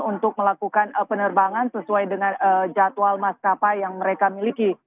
untuk melakukan penerbangan sesuai dengan jadwal maskapai yang mereka miliki